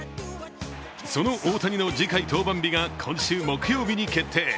その大谷の次回登板日が今週木曜に決定。